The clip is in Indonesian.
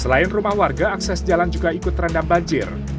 selain rumah warga akses jalan juga ikut terendam banjir